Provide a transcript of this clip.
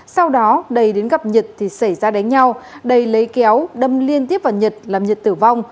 sau đó đầy đến gặp nhật thì xảy ra đánh nhau đầy lấy kéo đâm liên tiếp vào nhật làm nhật tử vong